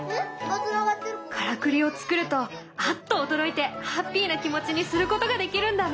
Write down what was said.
からくりを作るとアッと驚いてハッピーな気持ちにすることができるんだね！